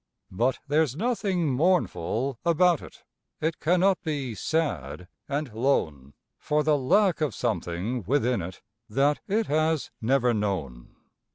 But there's nothing mournful about it; it cannot be sad and lone For the lack of something within it that it has never known.